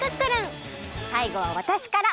さいごはわたしから。